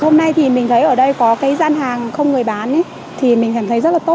hôm nay thì mình thấy ở đây có cái gian hàng không người bán thì mình cảm thấy rất là tốt